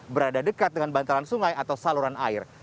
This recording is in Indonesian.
berada dekat dengan bantaran sungai atau saluran air